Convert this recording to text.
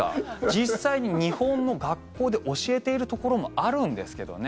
実際に日本の学校で教えているところもあるんですけどね。